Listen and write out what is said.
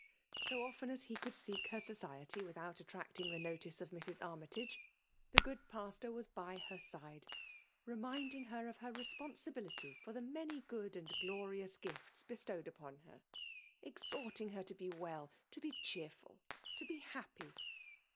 So often as ha could seek her society without attracting the notice of Mrs. Armytage, the good pastor was. by her side, reminding her of hier rfespotisSbilitjr for the many good* and glorious gifts bestowed' upon her, exhorting her to be wcil, to be chedi>* ftil, to be happy.